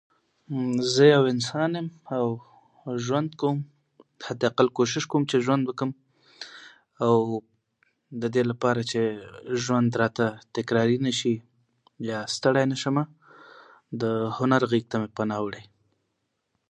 زه یو انسان یم او ژوند کوم حد العقل کوشش کوم چې ژوند وکړم او د دې لپاره چې ژوند راته تکراري نه شي یا ستړی نه شم ، د هنر غېږې ته مې فناه وړې ده .